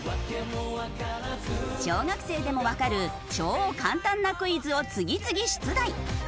小学生でもわかる超簡単なクイズを次々出題。